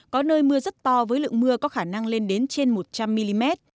có nơi mưa rất to với lượng mưa có khả năng lên đến trên một trăm linh mm